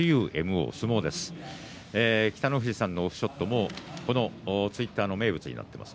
北の富士さんのオフショットもこのツイッターの名物になっています。